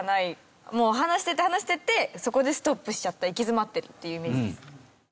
話していって話していってそこでストップしちゃった行き詰まってるっていうイメージです。